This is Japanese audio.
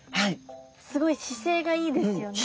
すごい姿勢がいいですよね。